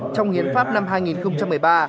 trong hiến pháp năm hai nghìn một mươi ba